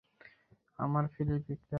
আমার ফিলিপ, একটা আঘাত?